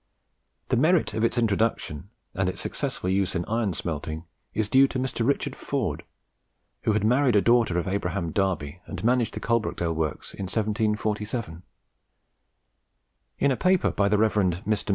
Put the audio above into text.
The merit of its introduction, and its successful use in iron smelting, is due to Mr. Richard Ford, who had married a daughter of Abraham Darby, and managed the Coalbrookdale works in 1747. In a paper by the Rev. Mr.